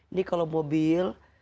ini kalau mobil